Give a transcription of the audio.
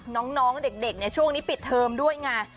น้องเด็กช่วงนี้ปิดเทอมด้วยไง